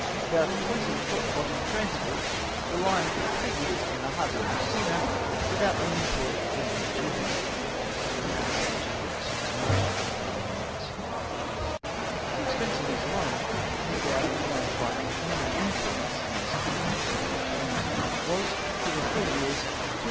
About twenty copper bottomed trans ports were lying for three years in the harbour of Messina, without being employed in any duty." — (p. 169.) The expense of these alone, no doubt all owned by "men of influence" as Captain Brenton terms them, was for the three years 270,000